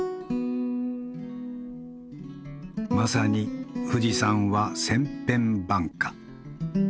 まさに富士山は千変万化。